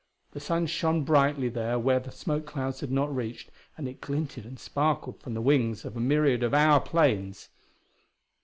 The sun shone brightly there where the smoke clouds had not reached, and it glinted and sparkled from the wings of a myriad of our planes.